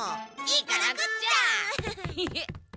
行かなくっちゃ！